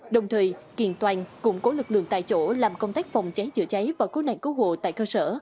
đồng thời kiện toàn củng cố lực lượng tại chỗ làm công tác phòng cháy chữa cháy và cứu nạn cứu hộ tại cơ sở